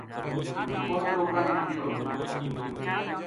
اُنھ لوکاں نے کہیو